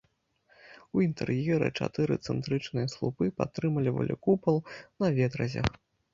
У інтэр'еры чатыры цэнтрычныя слупы падтрымлівалі купал на ветразях.